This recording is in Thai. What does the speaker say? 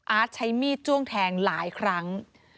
ใช้มีดจ้วงแทงหลายครั้ง